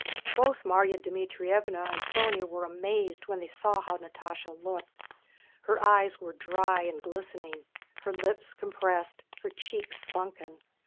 Both Márya Dmítrievna and Sónya were amazed when they saw how Natásha looked. Her eyes were dry and glistening, her lips compressed, her cheeks sunken.